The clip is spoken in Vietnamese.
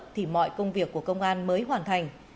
thì mọi công việc của công an mới hoàn thành